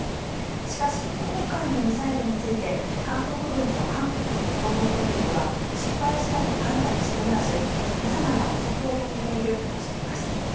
しかし今回のミサイルについて韓国軍と韓国の情報当局は失敗したと判断しておらず様々な臆測を呼んでいるとしています。